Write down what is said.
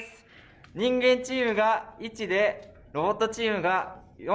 人間チームが「１」でロボットチームが「４」。